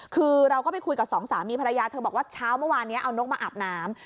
คือเราก็ไปคุยกับสองสามีภรรยาเธอบอกว่าเช้าเมื่อวานนี้เอานกมาอาบน้ำ